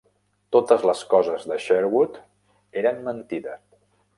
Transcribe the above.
Totes les coses de Sherwood eren mentida.